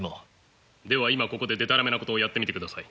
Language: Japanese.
では今ここででたらめなことをやってみてください。